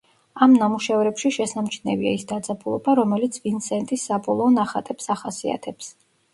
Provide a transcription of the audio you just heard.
ამ ნამუშევრებში შესამჩნევია ის დაძაბულობა რომელიც ვინსენტის საბოლოო ნახატებს ახასიათებს.